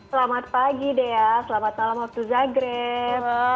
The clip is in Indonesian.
selamat pagi dea selamat malam waktu zagre